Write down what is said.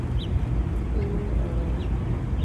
Pinyni oroma